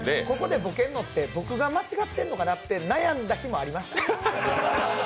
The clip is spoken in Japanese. ここでボケるのって僕が間違ってるのかなと悩んだ日もありました。